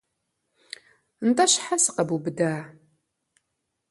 НтӀэ щхьэ сыкъэбубыда?